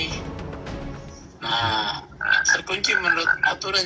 nah terkunci menurut aturan